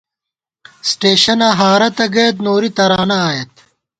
سٹېشَنہ ہارہ تَہ گئیت نوری ترانہ آئیت